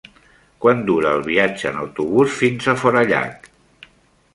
Quant dura el viatge en autobús fins a Forallac?